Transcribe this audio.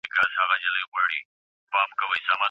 زړې تولیدي لاري باید ژر تر ژره بدلې کړای سي.